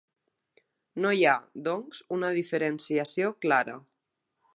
No hi ha, doncs, una diferenciació clara.